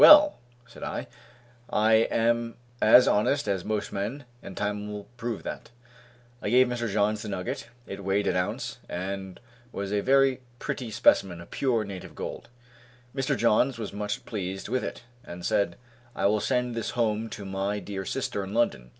"Well," said I, "I am as honest as most men, and time will prove that." I gave Mr. Johns the nugget, it weighed an ounce, and was a very pretty specimen of pure native gold. Mr. Johns was much pleased with it, and said, "I will send this home to my dear sister in London